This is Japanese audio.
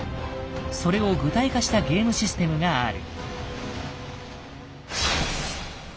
それを具体化したゲームシステムがある。